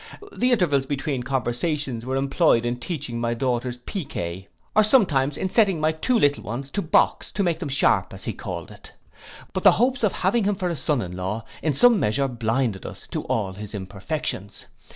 The intervals between conversation were employed in teaching my daughters piquet, or sometimes in setting my two little ones to box to make them sharp, as he called it: but the hopes of having him for a son in law, in some measure blinded us to all his imperfections.